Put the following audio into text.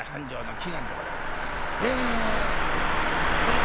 「えどうも。